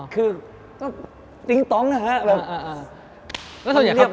คือก็ติ๊งต้องนะฮะ